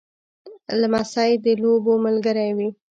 لمسی د لوبو ملګری وي.